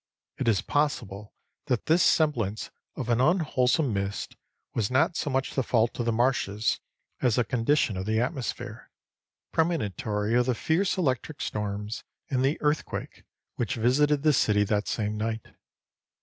It is possible that this semblance of an unwholesome mist was not so much the fault of the marshes as a condition of the atmosphere, premonitory of the fierce electric storms and the earthquake which visited the city that same night.